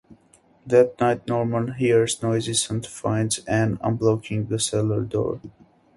That night, Norman hears noises and finds Ann unblocking the cellar door.